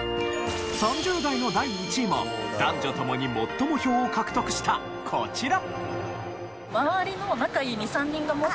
３０代の第１位も男女ともに最も票を獲得したこちら！